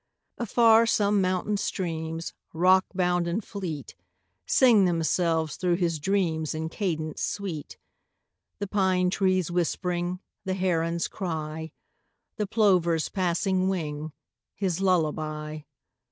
Afar some mountain streams, rockbound and fleet, Sing themselves through his dreams in cadence sweet, The pine trees whispering, the heron's cry, The plover's passing wing, his lullaby.